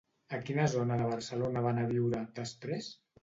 A quina zona de Barcelona va anar a viure, després?